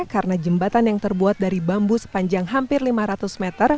karena jembatan yang terbuat dari bambu sepanjang hampir lima ratus meter